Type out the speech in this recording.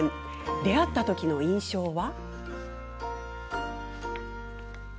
出会った時の印象は？